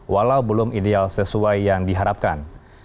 walau belum ideal sesuai yang diharapkan